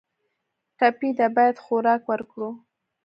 ټپي ته باید خوراک ورکړو.